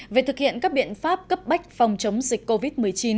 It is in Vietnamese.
về thực hiện các biện pháp cấp bách phòng chống dịch covid một mươi chín